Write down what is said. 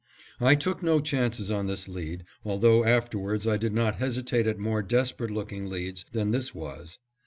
I took no chances on this lead, although afterwards I did not hesitate at more desperate looking leads than this was.